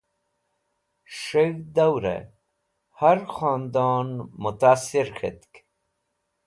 S̃heg̃hd Dawre Har Khondon Mutasir K̃hetk